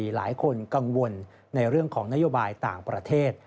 หลายคนกังวลในเรื่องของนโยบายต่างประเทศ